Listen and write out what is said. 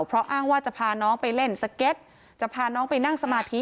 เพราะอ้างว่าจะพาน้องไปเล่นสเก็ตจะพาน้องไปนั่งสมาธิ